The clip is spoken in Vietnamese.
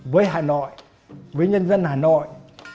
với hà nội với nhân dân hà nội